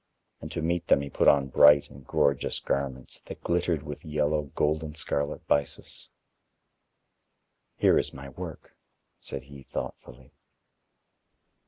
And to meet them he put on bright and gorgeous garments, that glittered with yellow gold and scarlet byssus. "Here is my work," said he thoughtfully.